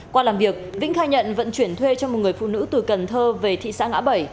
qua làm việc vĩnh khai nhận vận chuyển thuê cho một người phụ nữ từ cần thơ về thị xã ngã bảy